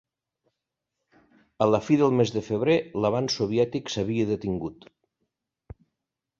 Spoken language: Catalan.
A la fi del mes de febrer l'avanç soviètic s'havia detingut.